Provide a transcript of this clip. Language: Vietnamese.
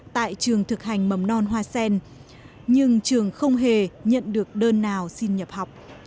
tại trường thực hành mầm non hoa sen nhưng trường không hề nhận được đơn nào xin nhập học